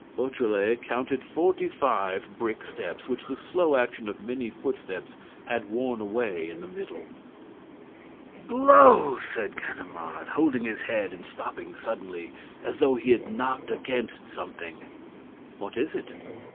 Beautrelet counted forty five brick steps, which the slow action of many footsteps had worn away in the middle. "Blow!" said Ganimard, holding his head and stopping suddenly, as though he had knocked against something. "What is it?"